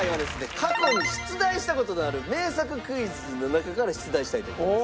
過去に出題した事のある名作クイズの中から出題したいと思います。